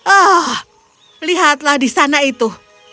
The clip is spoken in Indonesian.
oh lihatlah di sana itu